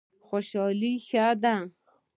خوشحالي ښه دی.